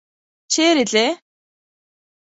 چېرې ځې؟